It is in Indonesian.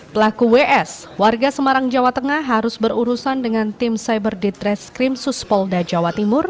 pelaku ws warga semarang jawa tengah harus berurusan dengan tim cyber ditreskrim suspolda jawa timur